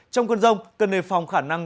trong cơn rông cơn đề phòng khả năng